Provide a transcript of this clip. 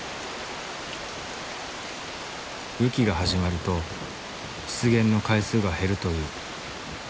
雨季が始まると出現の回数が減るという。